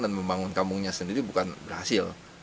dan membangun kampungnya sendiri bukan berhasil